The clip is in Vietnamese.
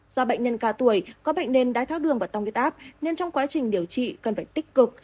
do bệnh nhân cao tuổi có bệnh nên đai tháo đường và tăng nguyết áp nên trong quá trình điều trị cần phải tích cục